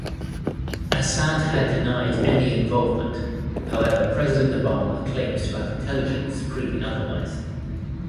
Assad had denied any involvement, however President Obama claims to have intelligence proving otherwise.